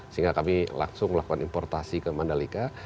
sehingga kami langsung melakukan importasi ke mandalika